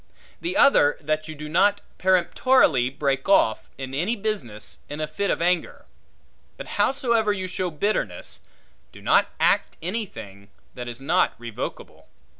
The other, that you do not peremptorily break off, in any business, in a fit of anger; but howsoever you show bitterness, do not act anything, that is not revocable.